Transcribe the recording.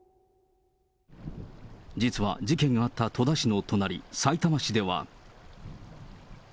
実は事件があった戸田市の隣、さいたま市では。